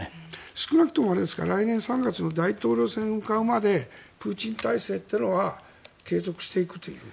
少なくとも来年３月の大統領選挙までプーチン体制というのは継続していくという？